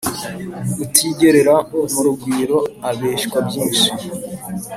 • utigerera mu rugwiro abeshywa byinshi